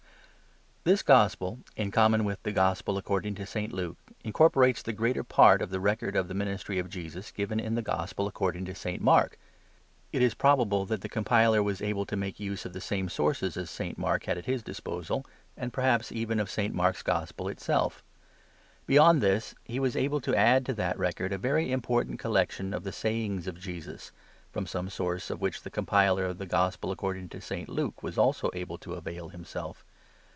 THIS gospel^ in common with the 'The Gospel according to St. Luke,' incorporates the greater part of the record of the ministry of Jesus given in ' The Gospel according to St. Mark.'/ It is probable that the compiler was able to make use of the same sources as St. Mark had at his disposal, and perhaps even of St. Mark's gospel itself. Beyond this,> he was able to add tq that record a very important collection of the Sayings of Jesus?! from some source of which the compiler of ' The i Gospel according to St. Luke ' was also able to avail himself.